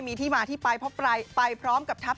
มีที่มาที่ไปเพราะไปพร้อมกับทัพ